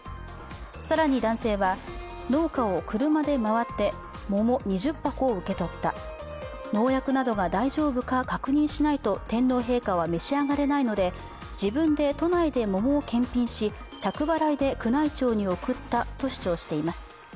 更に男性は、農家を車で回って桃２０箱を受け取った、農薬などが大丈夫か確認しないと天皇陛下は召し上がれないので、自分で都内で桃を検品し着払いで宮内庁に送ったと主張しています。